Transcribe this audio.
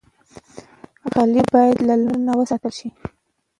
غلۍ باید د لمر نه وساتل شي.